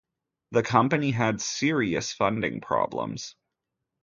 The company had serious funding problems.